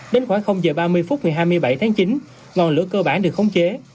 đến khoảng h ba mươi phút ngày hai mươi bảy tháng chín ngọn lửa cơ bản được khống chế